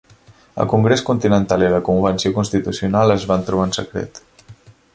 El Congrés Continental i la Convenció Constitucional es van trobar en secret.